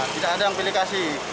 tidak ada yang pilih kasih